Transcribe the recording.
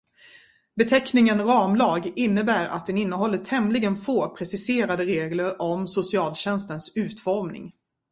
Beteckningen ramlag innebär att den innehåller tämligen få preciserade regler om socialtjänstens utformning.